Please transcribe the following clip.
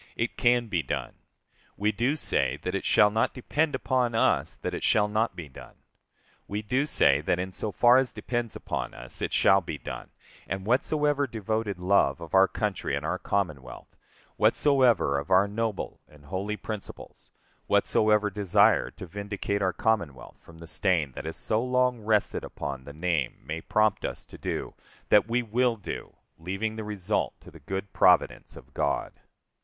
["It can be done."] We do say that it shall not depend upon us that it shall not be done. We do say that in so far as depends upon us it shall be done; and whatsoever devoted love of our country and our Commonwealth; whatsoever of our noble and holy principles; whatsoever desire to vindicate our Commonwealth from the stain that has so long rested upon the name may prompt us to do, that we will do, leaving the result to the good providence of God.